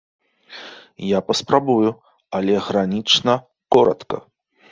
Я паспрабую, але гранічна коратка.